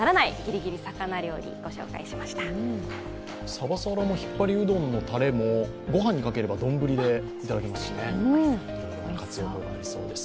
サバサラもひっぱりうどんのたれもご飯にかければ丼でいただけますしね、活躍できそうです。